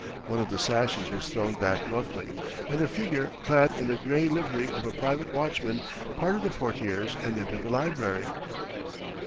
One of the sashes was thrown back roughly, and a figure clad in the gray livery of a private watchman parted the portières and entered the library.